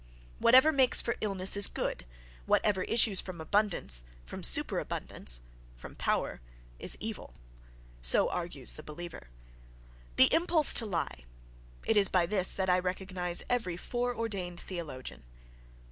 "Whatever makes for illness is good; whatever issues from abundance, from superabundance, from power, is evil": so argues the believer. The impulse to lie—it is by this that I recognize every foreordained theologian.